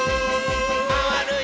まわるよ。